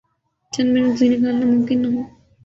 چند منٹ بھی نکالنا ممکن نہ ہوں۔